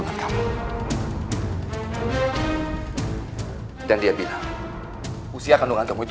manein lebih kalau dia beruntung timeline gitu